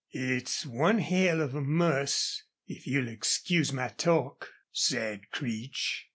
"It's one hell of a muss, if you'll excuse my talk," said Creech.